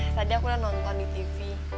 tadi aku udah nonton di tv